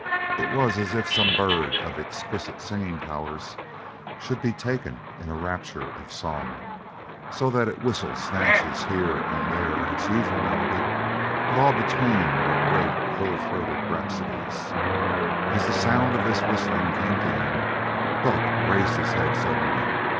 It was as if some bird of exquisite singing powers should be taken in a rapture of song, so that it whistled snatches here and there of its usual melody, but all between were great, whole throated rhapsodies. As the sound of this whistling came to him, Buck raised his head suddenly.